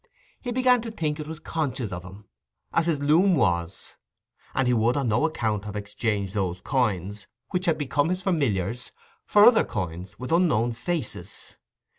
He began to think it was conscious of him, as his loom was, and he would on no account have exchanged those coins, which had become his familiars, for other coins with unknown faces.